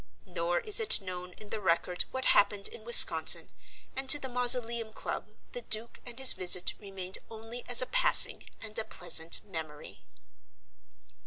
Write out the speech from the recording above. Nor is it known in the record what happened in Wisconsin, and to the Mausoleum Club the Duke and his visit remained only as a passing and a pleasant memory.